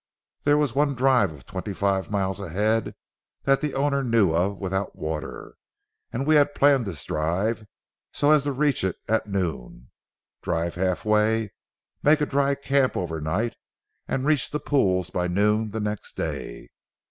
There was one drive of twenty five miles ahead that the owner knew of without water, and we had planned this drive so as to reach it at noon, drive halfway, make a dry camp over night, and reach the pools by noon the next day.